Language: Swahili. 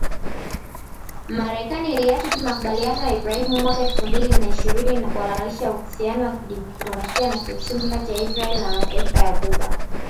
Marekani iliafiki makubaliano ya Ibrahimu mwaka elfu mbili na Ishirini na kuhalalisha uhusiano wa kidiplomasia na kiuchumi kati ya Israel na mataifa ya Ghuba